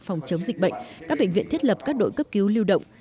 phòng chống dịch bệnh các bệnh viện thiết lập các đội cấp cứu lưu động